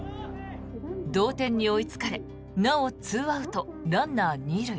同点に追いつかれなお２アウト、ランナー２塁。